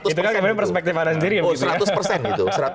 itu kan perspektif anda sendiri